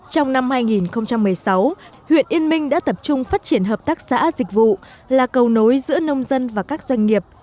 trong năm hai nghìn một mươi sáu huyện yên minh đã tập trung phát triển hợp tác xã dịch vụ là cầu nối giữa nông dân và các doanh nghiệp